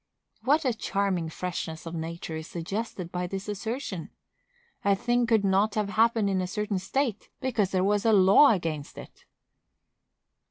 What a charming freshness of nature is suggested by this assertion! A thing could not have happened in a certain state, because there is a law against it!